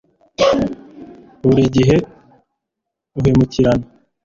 buri gihe uhemukirana